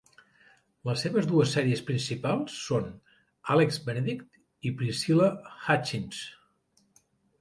Les seves dues sèries principals són Alex Benedict i Priscilla Hutchins.